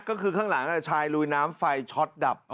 ก็คือข้างหลังชายลุยน้ำไฟช็อตดับ